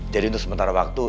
jadi untuk sementara waktu